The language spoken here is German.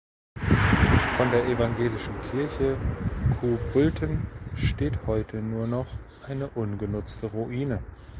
Von der evangelischen Kirche Kobulten steht heute nur noch eine ungenutzte Ruine.